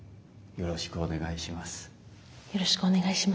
よろしくお願いします。